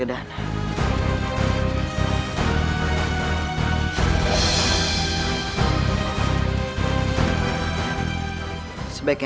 aku akan menang